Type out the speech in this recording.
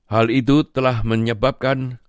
hal itu telah menyebabkan